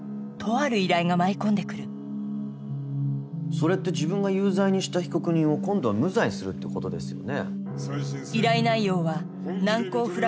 それって自分が有罪にした被告人を今度は無罪にするってことですよね？